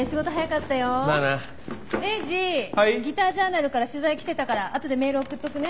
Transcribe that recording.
ギタージャーナルから取材きてたからあとでメール送っとくね。